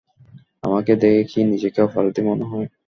আমাকে দেখে কী নিজেকে অপরাধী মনে হয়।